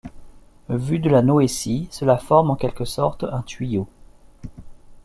Vue de la noétie, cela forme, en quelque sorte, un tuyau.